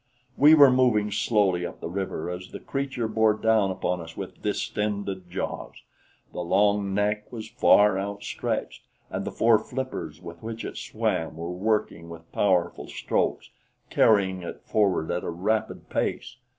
We were moving slowly up the river as the creature bore down upon us with distended jaws. The long neck was far outstretched, and the four flippers with which it swam were working with powerful strokes, carrying it forward at a rapid pace.